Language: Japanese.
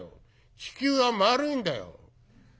地球は丸いんだよ。